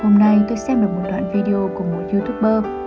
hôm nay tôi xem là một đoạn video của một youtuber